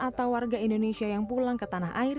atau warga indonesia yang pulang ke tanah air